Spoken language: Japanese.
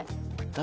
誰？